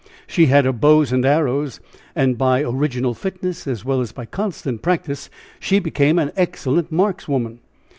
She had her bows and arrows, and by original fitness, as well as by constant practice, she became an excellent markswoman.